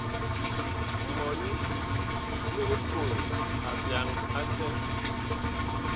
Mɔni mig kol abyaŋ asɛ.